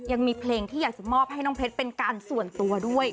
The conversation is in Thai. ยังมีเพลงที่อยากจะมอบให้น้องเพชรเป็นการส่วนตัวด้วย